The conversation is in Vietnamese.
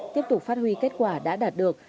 tiếp tục phát huy kết quả đã đạt được